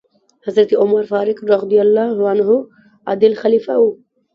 حضرت عمر فاروق رض عادل خلیفه و.